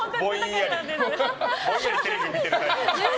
ぼんやりテレビを見てるタイプ。